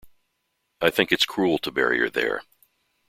I think it’s cruel to bury her there.